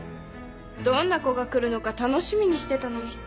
どんな子が来るのか楽しみにしてたのに。